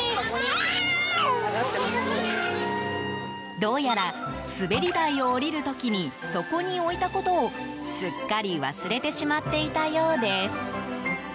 どうやら滑り台を下りる時にそこに置いたことをすっかり忘れてしまっていたようです。